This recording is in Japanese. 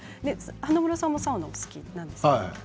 華丸さんもサウナお好きなんですよね。